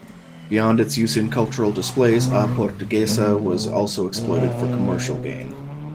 Beyond its use in cultural displays, "A Portuguesa" was also exploited for commercial gain.